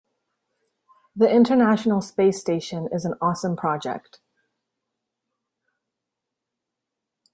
The international space station is an awesome project.